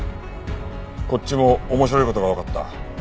こっちも面白い事がわかった。